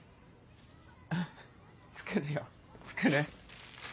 うん作るよ作る。